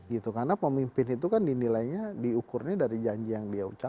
gitu karena pemimpin itu kan dinilainya diukurnya dari janji yang dia ucapkan